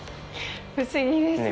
不思議ですね。